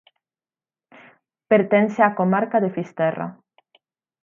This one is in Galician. Pertence á comarca de Fisterra.